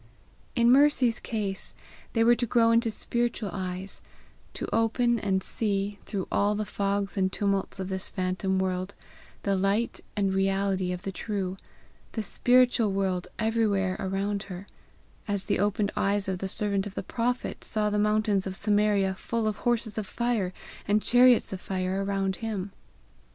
In Mercy's case they were to grow into spiritual eyes to open and see, through all the fogs and tumults of this phantom world, the light and reality of the true, the spiritual world everywhere around her as the opened eyes of the servant of the prophet saw the mountains of Samaria full of horses of fire and chariots of fire around him.